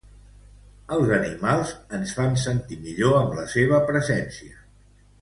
Els animals ens fan sentir millor amb la seva presència.